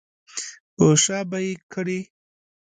په شا به یې کړې.